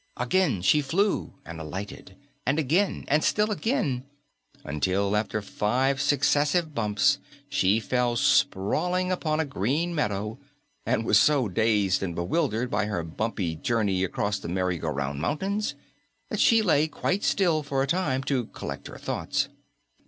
Again she flew and alighted, and again and still again, until after five successive bumps she fell sprawling upon a green meadow and was so dazed and bewildered by her bumpy journey across the Merry Go Round Mountains that she lay quite still for a time to collect her thoughts.